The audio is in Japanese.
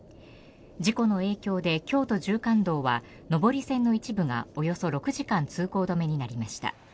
事故の影響で京都縦貫道は上り線の一部がおよそ６時間通行止めになりました。